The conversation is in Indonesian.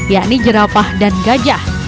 yakni jerapah dan gajah